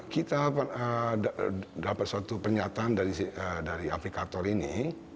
kita dapat suatu pernyataan dari aplikator ini